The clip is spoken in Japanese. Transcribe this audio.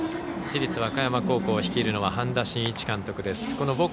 市立和歌山高校を率いるのは半田真一監督です。